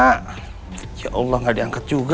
ya allah gak diangkat juga